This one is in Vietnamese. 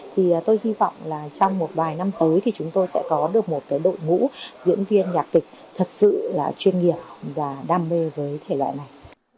thì tôi hy vọng là trong một vài năm tới thì chúng tôi sẽ có được một đội ngũ diễn viên nhạc kịch thật sự là chuyên nghiệp và đam mê với thể loại này